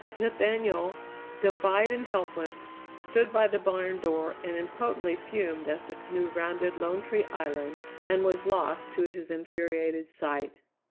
Nathaniel, defied and helpless, stood by the barn door and impotently fumed as the canoe rounded Lone Tree Island and was lost to his infuriated sight.